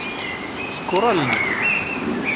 Ṣekkeṛ allen-ik.